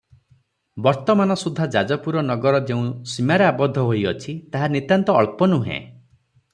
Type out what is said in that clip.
ବର୍ତ୍ତମାନ ସୁଦ୍ଧା ଯାଜପୁର ନଗର ଯେଉଁ ସୀମାରେ ଆବଦ୍ଧ ହୋଇଅଛି ତାହା ନିତାନ୍ତ ଅଳ୍ପ ନୂହେ ।